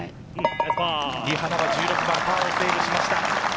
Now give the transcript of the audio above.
リ・ハナは１６番、パーをセーブしました。